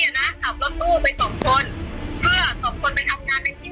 เราก็เราก็ไม่เคยขับรถทางนี้เราไม่มี